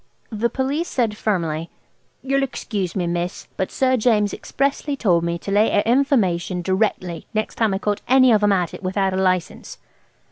The Police said firmly, "you'll excuse me, miss, but Sir James expressly told me to lay a information directly next time I caught any of 'em at it without a license."